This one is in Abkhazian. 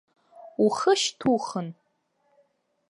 Ухы шьҭухын.